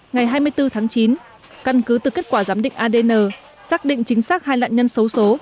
ngày hai mươi bốn tháng chín căn cứ từ kết quả giám định adn xác định chính xác hai nạn nhân xấu xố